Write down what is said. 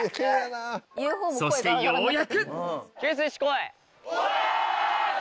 そしてようやくおわす！